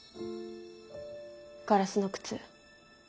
ガラスの靴。